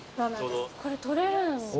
これ取れるんだ。